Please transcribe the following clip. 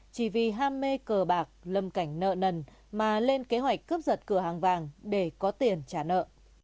chỉ vì ham mê cờ bạc lâm cảnh nợ nần mà lên kế hoạch cướp giật cửa hàng vàng để có tiền trả nợ